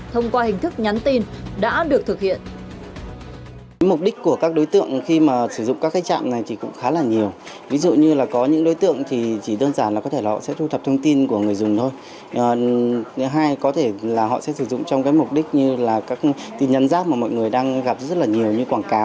thông qua hình thức nhắn tin đã được thực hiện